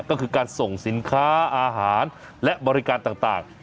ก็คือการส่งสินค้าอาหารและบริการต่าง